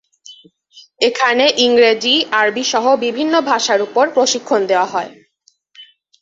এখানে ইংরেজি, আরবীসহ বিভিন্ন ভাষার উপর প্রশিক্ষণ দেয়া হয়।